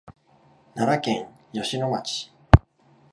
奈良県吉野町